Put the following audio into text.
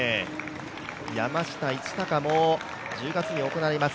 山下一貴も１０月に行われます